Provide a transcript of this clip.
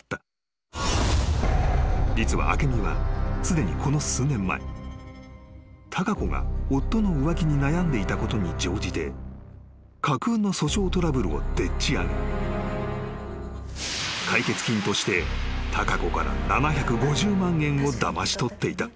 ［実は明美はすでにこの数年前貴子が夫の浮気に悩んでいたことに乗じて架空の訴訟トラブルをでっち上げ解決金として貴子から７５０万円をだまし取っていた］